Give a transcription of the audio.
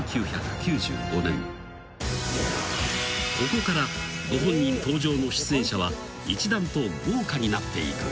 ［ここからご本人登場の出演者は一段と豪華になっていく］